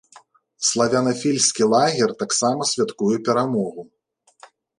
Славянафільскі лагер таксама святкуе перамогу.